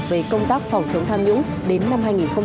về công tác phòng chống tham nhũng đến năm hai nghìn hai mươi